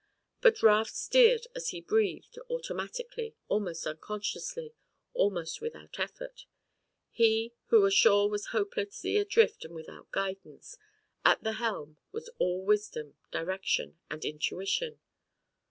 But Raft steered as he breathed, automatically, almost unconsciously, almost without effort. He, who ashore was hopelessly adrift and without guidance, at the helm was all wisdom, direction and intuition.